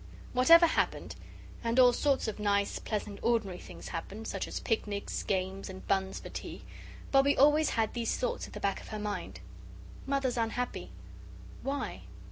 Whatever happened and all sorts of nice, pleasant ordinary things happened such as picnics, games, and buns for tea, Bobbie always had these thoughts at the back of her mind. "Mother's unhappy. Why?